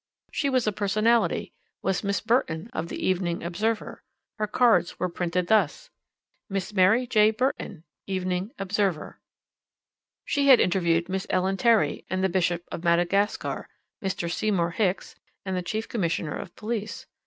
She was a personality, was Miss Burton of the Evening Observer. Her cards were printed thus: [Illustration: Miss MARY J. BURTON. Evening Observer.] She had interviewed Miss Ellen Terry and the Bishop of Madagascar, Mr. Seymour Hicks and the Chief Commissioner of Police.